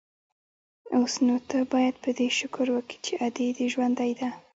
اوس نو ته بايد په دې شکر وکې چې ادې دې ژوندۍ ده.